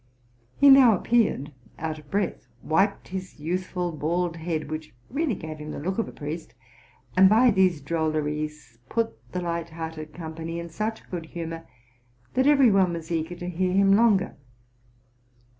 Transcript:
He now appeared out of breath, wiped his youthful, bald head, which really gave him the look of a priest, and by these drolleries put the light hearted company in such good humor that every one was eager to hear him longer.